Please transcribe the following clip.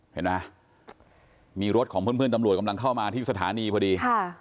เห็นไหมมีรถของเพื่อนตำรวจกำลังเข้ามาที่สถานีพอดี